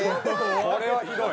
これはひどい。